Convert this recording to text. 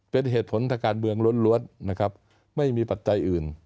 เป็นเหตุผลทางการเมืองล้วนนะครับไม่มีปัจจัยอื่น